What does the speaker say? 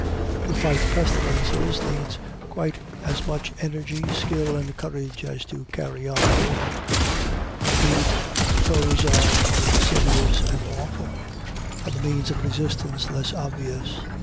To fight pestilences needs quite as much energy, skill, and courage as to carry on war; indeed, the foes are more insidious and awful, and the means of resistance less obvious.